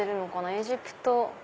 エジプト。